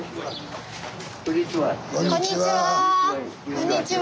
こんにちは。